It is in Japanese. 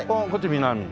南。